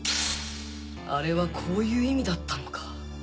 あれはこういう意味だったのか